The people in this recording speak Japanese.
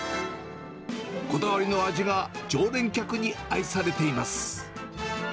こだわりの味が常連客に愛されています。